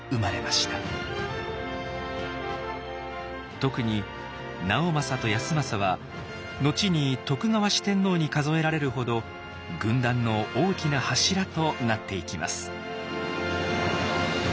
特に直政と康政は後に徳川四天王に数えられるほど軍団の大きな柱となっていきます。